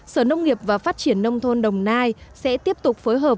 sở nông nghiệp và phát triển nông thôn đồng nai sẽ tiếp tục phối hợp